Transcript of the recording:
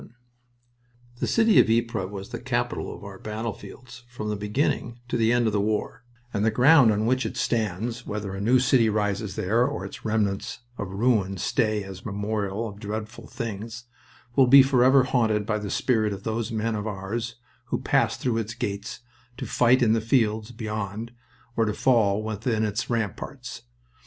VII The city of Ypres was the capital of our battlefields in Flanders from the beginning to the end of the war, and the ground on which it stands, whether a new city rises there or its remnants of ruin stay as a memorial of dreadful things, will be forever haunted by the spirit of those men of ours who passed through its gates to fight in the fields beyond or to fall within its ramparts.